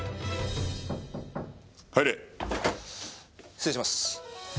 失礼します。